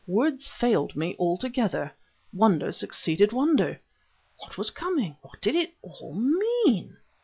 Words failed me altogether; wonder succeeded wonder! What was coming? What did it all mean?